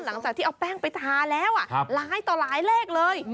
หลังจากที่เอาแป้งไปทาแล้วหลายต่อหลายเลขเลย